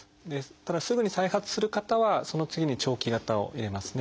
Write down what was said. ただすぐに再発する方はその次に長期型を入れますね。